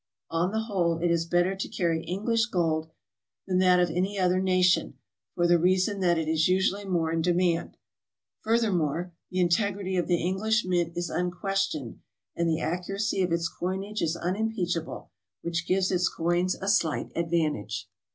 On the whole it is better to carry English gold than that of any other nation, for the reason that it is usually more in demand. Furthermore, the integrity of the English mint is unquestioned, and the ac curacy of its coinage is unimpeachable, which gives its coins a slight advantage.